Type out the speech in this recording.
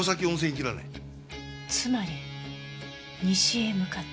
つまり西へ向かってる。